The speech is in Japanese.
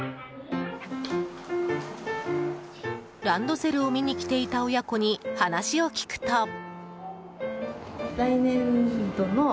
ランドセルを見に来ていた親子に話を聞くと。